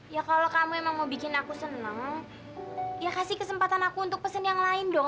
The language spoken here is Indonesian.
ya kalau kamu emang mau bikin aku seneng ya kasih kesempatan aku untuk pesen yang lain dong